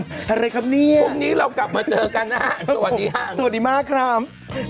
อะไรครับเนี่ยพรุ่งนี้เรากลับมาเจอกันนะฮะสวัสดีฮะสวัสดีมากครับ